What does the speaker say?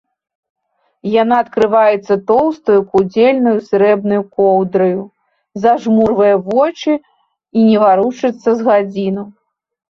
Яна акрываецца тоўстаю кудзельнаю зрэбнаю коўдраю, зажмурвае вочы і не варушыцца з гадзіну.